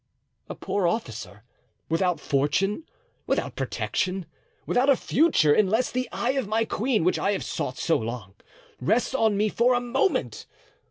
A poor officer, without fortune, without protection, without a future, unless the eye of my queen, which I have sought so long, rests on me for a moment.